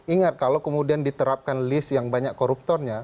ingat kalau kemudian diterapkan list yang banyak koruptornya